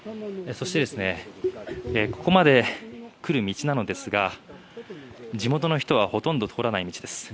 そしてここまで来る道なのですが地元の人はほとんど通らない道です。